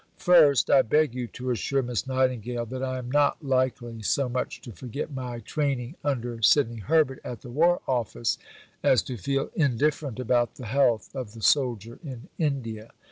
First, I beg you to assure Miss Nightingale that I am not likely so much to forget my training under Sidney Herbert at the War Office as to feel indifferent about the health of the soldier in India.